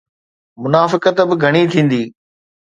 منافقت به گهڻي ٿيندي.